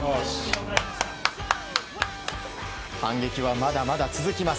反撃はまだまだ続きます。